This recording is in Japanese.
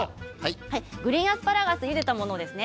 グリーンアスパラガスゆでたものです。